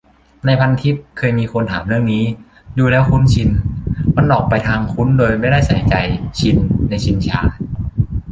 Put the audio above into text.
ในพันทิปเคยมีคนถามเรื่องนี้ ดูแล้ว คุ้นชิน มันออกไปทาง คุ้นโดยไม่ได้ใส่ใจ "ชิน" ในชินชา